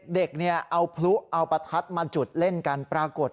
เด็กเนี่ยเอาพลุเอาประทัดมาจุดเล่นกันปรากฏ